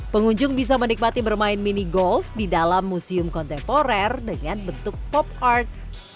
pengunjung bisa menikmati bermain mini golf di dalam museum kontemporer dengan bentuk pop art